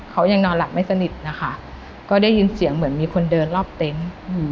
เขายังนอนหลับไม่สนิทนะคะก็ได้ยินเสียงเหมือนมีคนเดินรอบเต็นต์